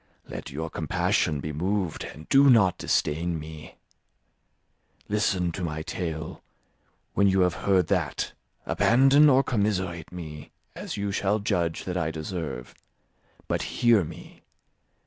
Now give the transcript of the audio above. Let your compassion be moved, and do not disdain me. Listen to my tale; when you have heard that, abandon or commiserate me, as you shall judge that I deserve. But hear me.